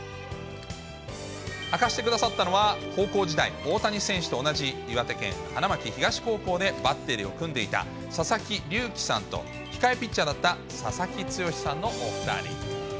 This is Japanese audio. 明かしてくださったのは、高校時代、大谷選手と同じ岩手県花巻東高校でバッテリーを組んでいた佐々木りゅうきさんと、控えピッチャーだった佐々木毅さんのお２人。